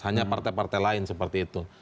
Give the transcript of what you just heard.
hanya partai partai lain seperti itu